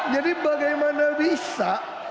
jadi bagaimana bisa